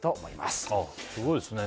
すごいですね。